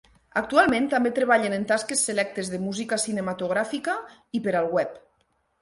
Actualment també treballen en tasques selectes de música cinematogràfica i per al web.